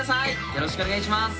よろしくお願いします！